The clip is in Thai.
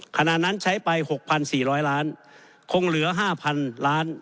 ขณะนั้นใช้ไป๖๔๐๐ล้านคงเหลือ๕๐๐๐ล้าน